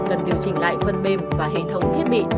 cần điều chỉnh lại phần mềm và hệ thống thiết bị